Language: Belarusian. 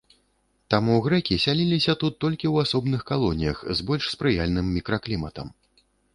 Таму грэкі сяліліся тут толькі ў асобных калоніях з больш спрыяльным мікракліматам.